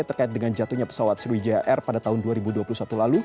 terkait dengan jatuhnya pesawat sriwijaya air pada tahun dua ribu dua puluh satu lalu